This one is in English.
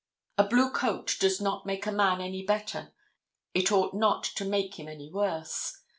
A blue coat does not make a man any better; it ought not to make him any worse.